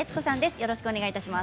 よろしくお願いします。